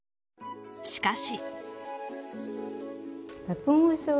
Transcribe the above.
しかし。